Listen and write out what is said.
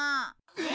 えっ？